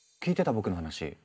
僕の話。